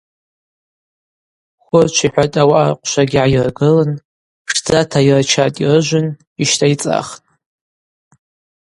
Хвырчв йхӏватӏ ауаъа рхъвшвагьи гӏайыргылтӏ, пшдзата йырчатӏ-йрыжвын йщтӏайцӏахтӏ.